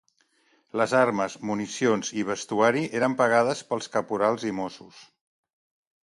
Les armes, municions i vestuari eren pagades pels caporals i mossos.